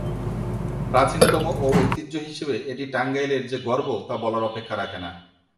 প্রাচীনতম ও ঐতিহ্য হিসেবে এটি টাঙ্গাইলের যে গর্ব তা বলার অপেক্ষা রাখে না।